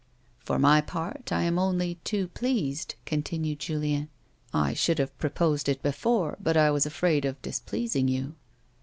" For my part, I am only too pleased," continued Julien. " I should have proposed it before, but I was afraid of dis pleasing you."